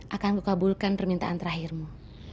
akan kukabulkan permintaan terakhirmu